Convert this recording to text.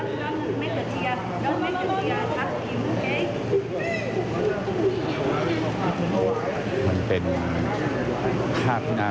พบหน้าลูกแบบเป็นร่างไร้วิญญาณ